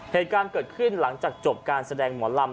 เหตุการณ์เกิดขึ้นหลังจากจบการแสดงหมอลำ